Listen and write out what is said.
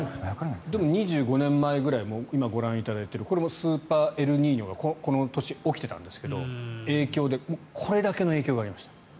２５年前も今ご覧いただいているこれもスーパーエルニーニョがこの年、起きていたんですがこれだけの影響がありました。